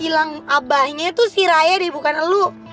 hilang abahnya tuh si rayadeh bukan lo